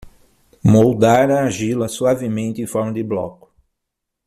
Moldar a argila suavemente em forma de bloco.